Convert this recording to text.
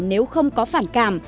nếu không có phản cảm